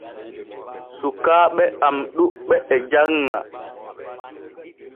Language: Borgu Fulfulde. Sukkaaɓe am ɗuɓɓe e janŋa.